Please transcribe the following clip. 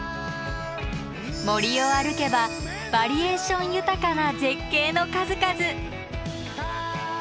森を歩けばバリエーション豊かな絶景の数々！